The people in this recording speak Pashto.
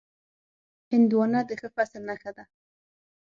هندوانه د ښه فصل نښه وي.